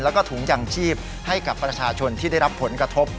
แล้วก็ถุงยางชีพให้กับประชาชนที่ได้รับผลกระทบ